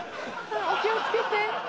お気を付けて。